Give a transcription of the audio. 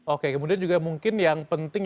oke kemudian juga mungkin yang penting